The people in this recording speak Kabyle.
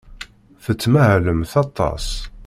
Tettmahalemt aṭas.